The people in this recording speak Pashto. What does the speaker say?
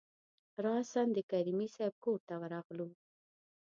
راسآ د کریمي صیب کورته ورغلو.